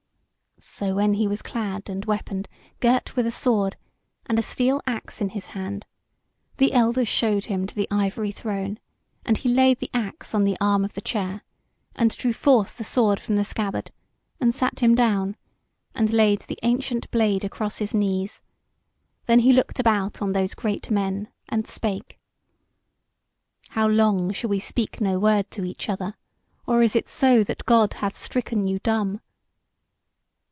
So when he was clad and weaponed, girt with a sword, and a steel axe in his hand, the elders showed him to the ivory throne, and he laid the axe on the arm of the chair, and drew forth the sword from the scabbard, and sat him down, and laid the ancient blade across his knees; then he looked about on those great men, and spake: "How long shall we speak no word to each other, or is it so that God hath stricken you dumb?"